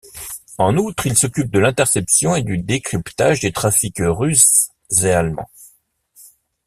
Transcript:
En outre, il s'occupe de l'interception et du décryptage des trafics russes et allemands.